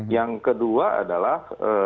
yang kedua adalah